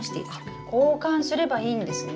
あ交換すればいいんですね。